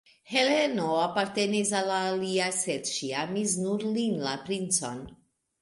Heleno apartenis al la alia, sed ŝi amis nur lin, la princon.